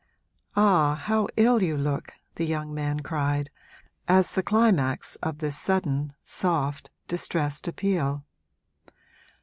Ah, how ill you look!' the young man cried, as the climax of this sudden, soft, distressed appeal.